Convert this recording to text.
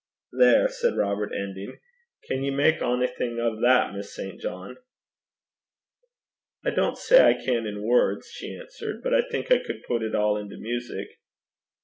'There!' said Robert, ending, 'can ye mak onything o' that, Miss St. John?' 'I don't say I can in words,' she answered; 'but I think I could put it all into music.'